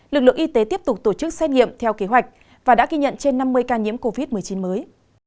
lực lượng y tế tiếp tục tổ chức xét nghiệm theo kế hoạch và đã ghi nhận trên năm mươi ca nhiễm covid một mươi chín mới